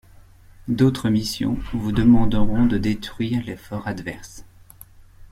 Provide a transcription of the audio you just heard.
D'autre missions vous demanderons de détruire les forts adverses.